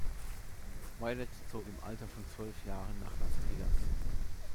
Violette zog im Alter von zwölf Jahren nach Las Vegas.